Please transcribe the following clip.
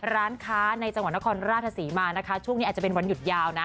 ร้านค้าในจังหวัดนครราชศรีมานะคะช่วงนี้อาจจะเป็นวันหยุดยาวนะ